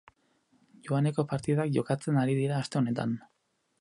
Joaneko partidak jokatzen ari dira aste honetan.